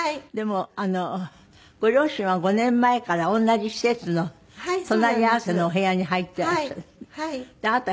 でもあのご両親は５年前から同じ施設の隣り合わせのお部屋に入ってらっしゃる。